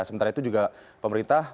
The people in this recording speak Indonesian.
sementara itu juga pemerintah